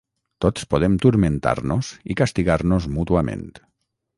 Tots podem turmentar-nos i castigar-nos mútuament.